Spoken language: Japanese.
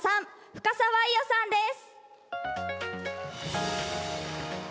深澤一世さんです。